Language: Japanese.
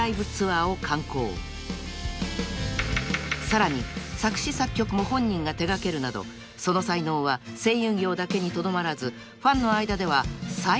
［さらに作詞作曲も本人が手掛けるなどその才能は声優業だけにとどまらずファンの間では］